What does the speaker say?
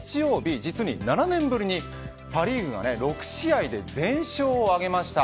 この日曜日、実に７年ぶりにパ・リーグが６試合で全勝を挙げました。